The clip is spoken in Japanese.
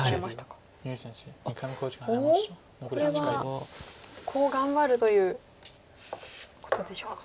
これはコウを頑張るということでしょうか。